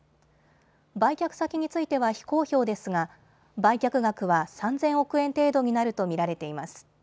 売却先については非公表ですが売却額は３０００億円程度になると見られています。